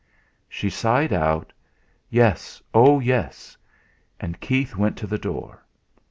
She sighed out, "Yes! oh, yes!" and Keith went to the door.